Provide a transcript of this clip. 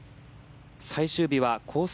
最終日はコース